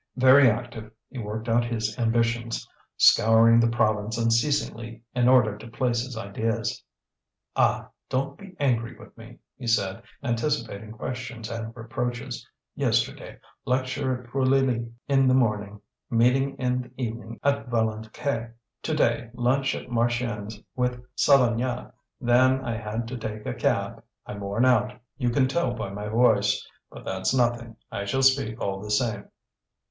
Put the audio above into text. Very active, he worked out his ambitions, scouring the province unceasingly in order to place his ideas. "Ah! don't be angry with me," he said, anticipating questions and reproaches. "Yesterday, lecture at Preuilly in the morning, meeting in the evening at Valencay. Today, lunch at Marchiennes with Sauvagnat. Then I had to take a cab. I'm worn out; you can tell by my voice. But that's nothing; I shall speak all the same."